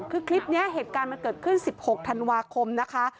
คือคลิปนี้เหตุการณ์มันเกิดขึ้น๑๖ธันวาคมนะคะ